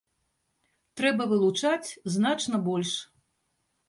Трэба вылучаць значна больш.